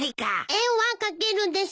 絵は描けるです。